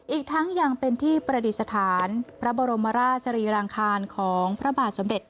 อีกทั้งยังเป็นที่ประดิษฐานพระบรมราชรีรังคารของพระบาทสมเด็จ